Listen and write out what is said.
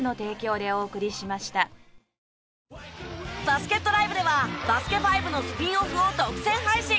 バスケットＬＩＶＥでは『バスケ☆ＦＩＶＥ』のスピンオフを独占配信。